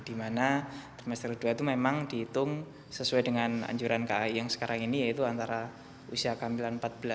di mana trimester kedua itu memang dihitung sesuai dengan anjuran kai yang sekarang ini yaitu antara usia kehamilan